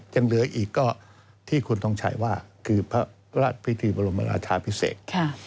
ยังเหลืออีกก็ที่คุณทองชัยว่าราชพิธีบรมราชาภิเษก